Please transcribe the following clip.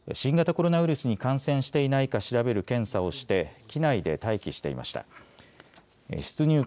あと新型コロナウイルスに感染していないか調べる検査をして機内で待機していました。